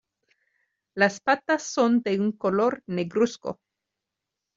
Las patas son de un color negruzco.